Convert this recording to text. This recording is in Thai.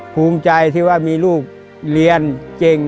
ภูมิใจที่ว่ามีลูกเรียนเก่ง